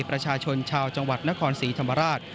ประชาชนชาวจังหวัดนครศรีธรรมราช